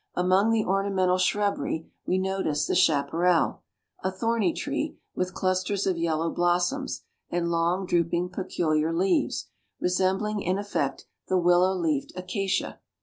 Among the ornamental shrubbery we noticed the chaparral, a thorny tree, with clusters of yellow blossoms, and long, drooping, peculiar leaves, resembling in effect the willow leafed acacia.